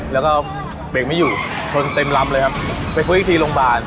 แล้วก็เบรกไม่อยู่ชนเต็มลำเลยครับไปคุยอีกทีโรงพยาบาล